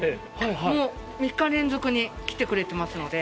もう３日連続に来てくれてますので。